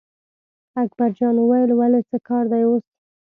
اکبرجان وویل ولې څه کار دی اوس.